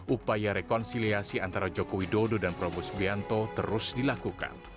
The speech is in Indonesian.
upaya rekonsiliasi antara jokowi dodo dan prabowo sbianto terus dilakukan